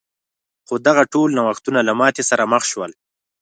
خو دغه ټول نوښتونه له ماتې سره مخ شول.